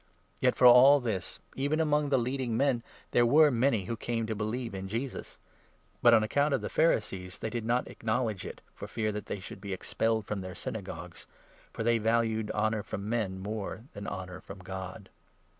Yet for all this, even among the 42 leading men there were many who came to believe in Jesus ; but, on account of the Pharisees, they did not acknowledge it, for fear that they should be expelled from their Synagogues ; for 43 they valued honour from men more than honour from God.